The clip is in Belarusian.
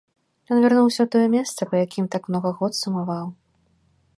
Ён вярнуўся ў тое месца, па якім так многа год сумаваў.